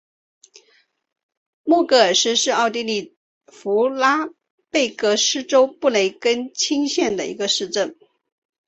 默格尔斯是奥地利福拉尔贝格州布雷根茨县的一个市镇。